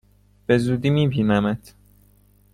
به زودی می بینمت!